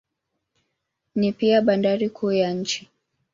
Ni pia bandari kuu ya nchi.